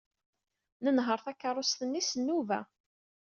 Nenheṛ takeṛṛust-nni s nnuba.